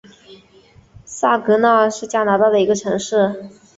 萨格奈是加拿大的一个城市。